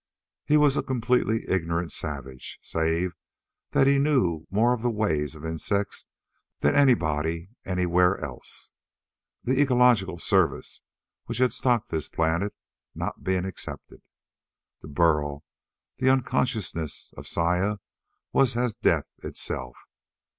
He was a completely ignorant savage, save that he knew more of the ways of insects than anybody anywhere else the Ecological Service, which had stocked this planet, not being excepted. To Burl the unconsciousness of Saya was as death itself.